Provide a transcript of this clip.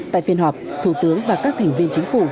tại phiên họp thủ tướng và các thành viên chính phủ